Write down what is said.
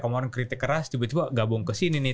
orang kritik keras tiba tiba gabung kesini nih